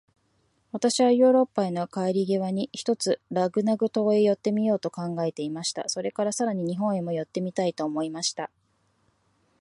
私はヨーロッパへの帰り途に、ひとつラグナグ島へ寄ってみようと考えていました。それから、さらに日本へも寄ってみたいと思いました。